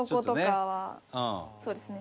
そうですね。